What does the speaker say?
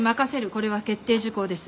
これは決定事項です。